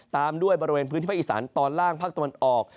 ตามด้วยบริเวณพื้นที่ภาคอีสานตอนล่างภาคตะวันออก